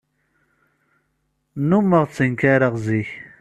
Nnummeɣ ttenkareɣ zik.